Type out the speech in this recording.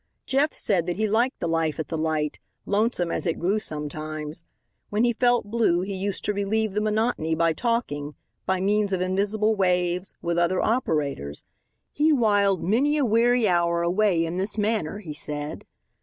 Jeff said that he liked the life at the light, lonesome as it grew sometimes. When he felt blue he used to relieve the monotony by talking, by means of invisible waves, with other operators. He wiled many a weary hour away in this manner, he said.